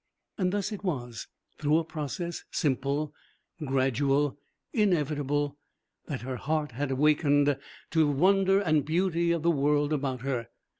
And thus it was, through a process simple, gradual, inevitable, that her heart had wakened to the wonder and the beauty of the world about her.